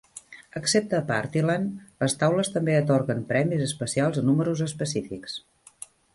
Excepte a Party Land, les taules també atorguen premis especials a números específics.